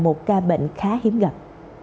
một ca bệnh khá hiếm gặp